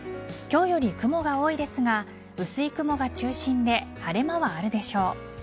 今日より雲が多いですが薄い雲が中心で晴れ間はあるでしょう。